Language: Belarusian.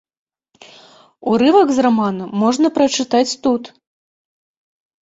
Урывак з рамана можна прачытаць тут.